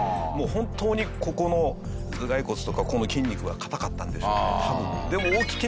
もう本当にここの頭蓋骨とかここの筋肉が硬かったんでしょうね多分。